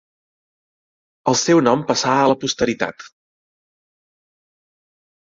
El seu nom passà a la posteritat.